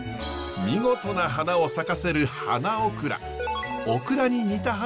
見事な花を咲かせる花オクラ。